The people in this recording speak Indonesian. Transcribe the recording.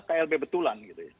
klb betulan gitu ya